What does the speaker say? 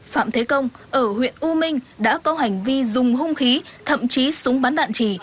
phạm thế công ở huyện u minh đã có hành vi dùng hung khí thậm chí súng bắn đạn trì